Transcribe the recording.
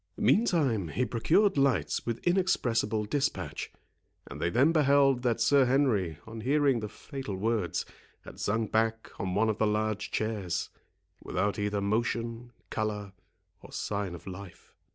Meantime he procured lights with inexpressible dispatch, and they then beheld that Sir Henry, on hearing the fatal words, had sunk back on one of the large chairs, without either motion, colour, or sign of life.